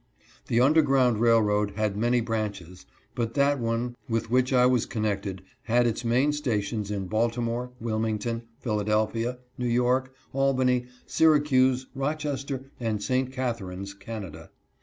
The underground railroad had many branches ; but that one with which I was connected had its main sta tions in Baltimore, Wilmington, Philadelphia, New York, Albany, Syracuse, Rochester, and St. Catharines (Can ada).